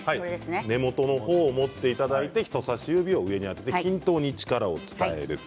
根元の方を持っていただいて人さし指を当てて均等に力を伝える。